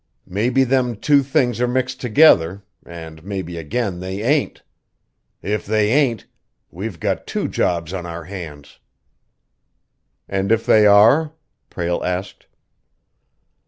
Maybe them two things are mixed together, and maybe again they ain't. If they ain't, we've got two jobs on our hands." "And, if they are?" Prale asked.